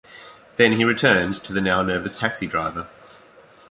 Then he returned to the now nervous taxi-driver.